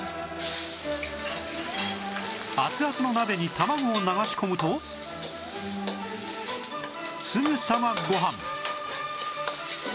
熱々の鍋に卵を流し込むとすぐさまご飯